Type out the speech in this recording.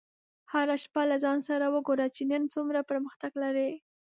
هره شپه له ځان سره وګوره چې نن څومره پرمختګ لرې.